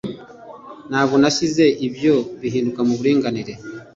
ntabwo nashyize ibyo bihinduka muburinganire